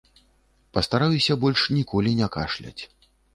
Пастараюся больш ніколі не кашляць.